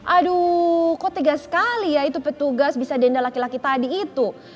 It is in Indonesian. aduh kok tega sekali ya itu petugas bisa denda laki laki tadi itu